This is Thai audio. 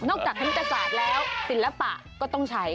นอกจากธนตราบแล้วศิลปะก็ต้องใช้